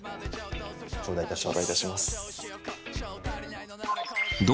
頂戴いたします。